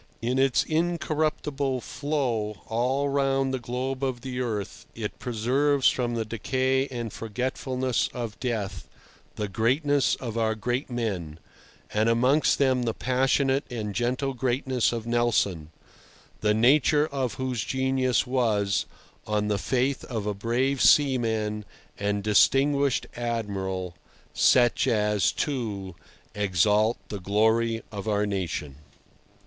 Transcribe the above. In its incorruptible flow all round the globe of the earth it preserves from the decay and forgetfulness of death the greatness of our great men, and amongst them the passionate and gentle greatness of Nelson, the nature of whose genius was, on the faith of a brave seaman and distinguished Admiral, such as to "Exalt the glory of our nation."